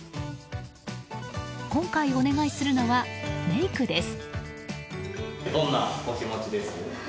今回お願いするのは、メイクです。